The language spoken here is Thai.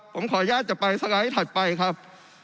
ผมขออนุญาตจะไปสไลด์ถัดไปครับ